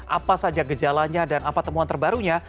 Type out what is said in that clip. apa saja gejalanya dan apa temuan terbarunya